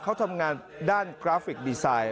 เขาทำงานด้านกราฟิกดีไซน์